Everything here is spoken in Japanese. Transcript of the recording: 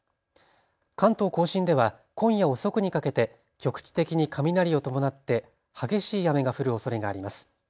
関東甲信では今夜遅くにかけて局地的に雷を伴って激しい雨が降るおそれがあります。